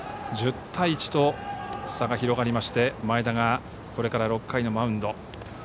１０対１と差が広がりまして前田がこれから６回のマウンド。